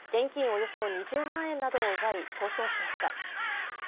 およそ２０万円などを奪い逃走しました。